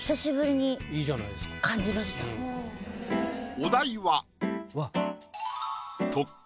お題は。